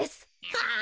はあ？